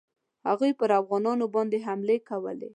هغوی پر افغانانو باندي حملې کولې.